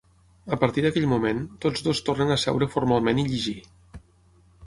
A partir d'aquell moment, tots dos tornen a seure formalment i llegir.